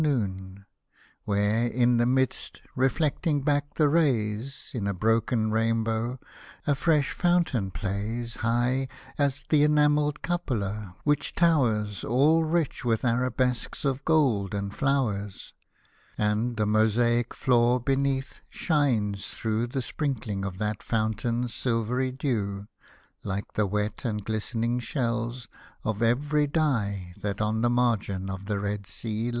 noon ; Where, in the midst, reflecting back the rays In broken rainbows, a fresh fountain plays High as th' enamelled cupola, which towers All rich with Arabesques of gold and flowers : And the mosaic floor beneath shines through The sprinkling of that fountain's silvery dew. Like the wet, glistening shells, of every dye, That on the margin of the Red Sea lie.